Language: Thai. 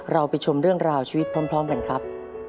เราไปชมเรื่องราวชีวิตพร้อมกันครับ